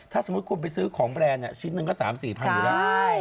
ถ้าสมมุติคุณไปซื้อของแบรนด์ชิ้นหนึ่งก็๓๔พันอยู่แล้ว